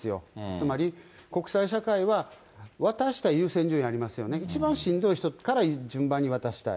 つまり、国際社会は、渡したい優先順位ありますよね、一番しんどい人から順番に渡したい。